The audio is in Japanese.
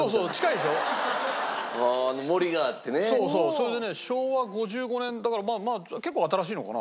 それでね昭和５５年だからまあ結構新しいのかな。